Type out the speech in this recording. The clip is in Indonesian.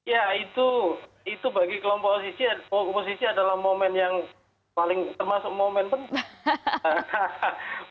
ya itu bagi kelompok oposisi adalah momen yang paling termasuk momen penting